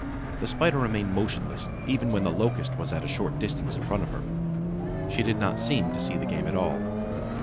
The Spider remained motionless, even when the Locust was at a short distance in front of her. She did not seem to see the game at all.